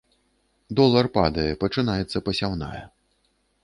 Долар падае, пачынаецца пасяўная.